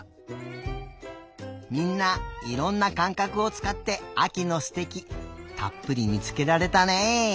みんないろんなかんかくをつかってあきのすてきたっぷりみつけられたね。